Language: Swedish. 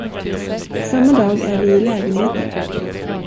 Samma dag är vi i lägenheten.